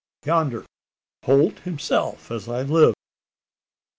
yonder! Holt himself, as I live!"